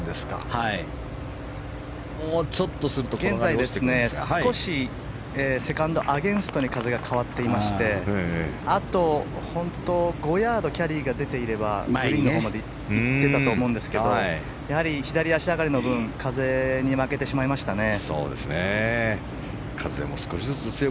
現在、少しセカンドアゲンストに風が変わっていましてあと、本当に５ヤードキャリーが出ていればグリーンのところまで行っていたと思うんですけどやはり左足上がりの分風に負けてしまいましたね。